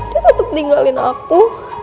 dia tetep tinggalin aku